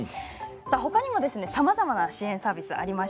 ほかにも、さまざまな支援サービスがあります。